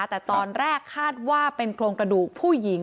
แต่ตอนแรกคาดว่าเป็นโครงกระดูกผู้หญิง